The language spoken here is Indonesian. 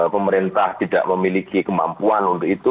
pemerintah tidak memiliki kemampuan untuk itu